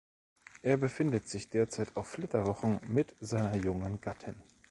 Er befindet sich derzeit auf Flitterwochen mit seiner jungen Gattin.